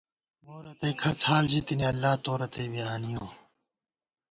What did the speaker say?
مو رتئ کھڅ حال ژِتِنی، اللہ تو رتئ بی آنِیَؤ